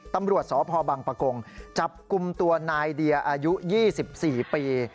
ตำรวจสพบังปะกงจับกลุ่มตัวนายเดียอายุ๒๔ปี